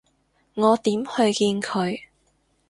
我點去見佢？